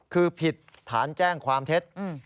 คือผิดฐานแจ้งความเท็จ